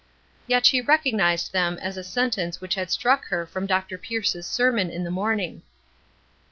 Yet she recognized them as a sentence which had struck her from Dr. Pierce's sermon in the morning.